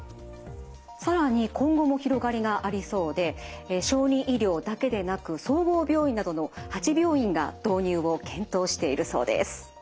更に今後も広がりがありそうで小児医療だけでなく総合病院などの８病院が導入を検討しているそうです。